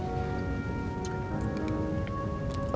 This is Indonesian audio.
tentunya tidak pak